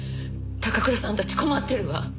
高倉さんたち困ってるわ。